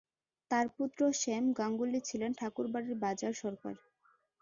তার পুত্র শ্যাম গাঙ্গুলি ছিলেন ঠাকুর বাড়ির বাজার সরকার।